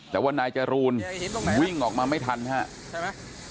แต่วันไหนจะรูนวิ่งออกมาไม่ทันครับ